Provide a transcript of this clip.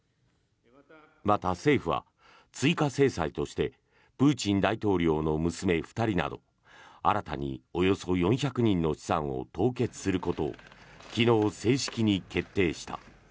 また、政府は追加制裁としてプーチン大統領の娘２人など新たにおよそ４００人の資産を凍結することを昨日、正式に決定した。